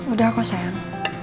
udah kok sayang